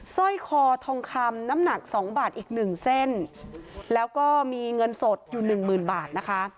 สร้อยคอทองคำน้ำหนักสองบาทอีกหนึ่งเส้นแล้วก็มีเงินสดอยู่หนึ่งหมื่นบาทนะคะ